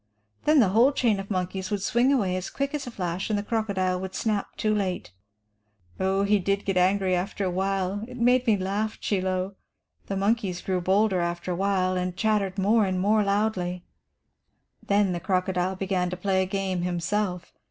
Then the whole chain of monkeys would swing away as quick as a flash, and the crocodile would snap too late. "Oh, he did get so angry after awhile, it made me laugh, Chie Lo. The monkeys grew bolder after awhile, and chattered more and more loudly. "Then the crocodile began to play a game himself.